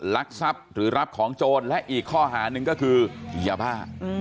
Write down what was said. ลักทรัพย์หรือรับของโจรและอีกข้อหาหนึ่งก็คือยาบ้า